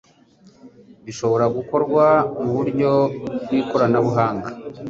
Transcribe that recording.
bishobora gukorwa mu buryo bw'ikoranabuhanga